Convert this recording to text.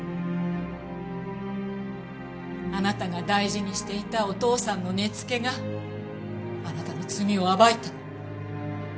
あなたが大事にしていたお父さんの根付があなたの罪を暴いた。